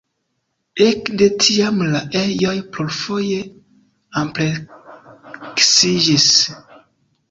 Ekde tiam la ejoj plurfoje ampleksiĝis.